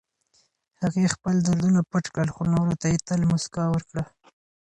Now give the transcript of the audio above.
هغې خپل دردونه پټ کړل، خو نورو ته يې تل مسکا ورکړه.